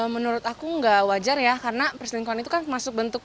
menurut aku nggak wajar ya karena perselingkuhan itu kan masuk bentuk